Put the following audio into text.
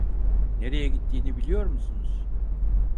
Nereye gittiğini biliyor musunuz?